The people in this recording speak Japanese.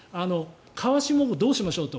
川下をどうしましょうと。